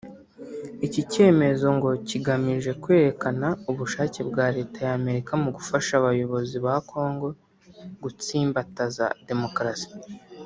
Iki cyemezo ngo kigamije kwerekana ubushake bwa Leta ya Amerika mu gufasha abayobozi ba Congo gutsimbataza demokarasi